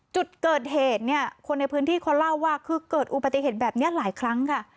จุดเกิดเหตุเนี่ยคนในพื้นที่เขาเล่าว่าคือเกิดอุบัติเหตุแบบนี้หลายครั้งค่ะ